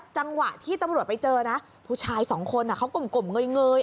จังหวะที่ตำรวจไปเจอนะผู้ชายสองคนเขากลมเงย